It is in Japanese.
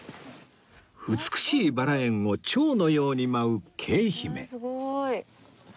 美しいバラ園を蝶のように舞うケイ姫